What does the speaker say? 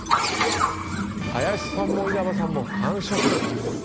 林さんも稲葉さんも完食。